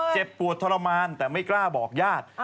เจ็บปวดทรมานแต่ไม่กล้าบอกญาติ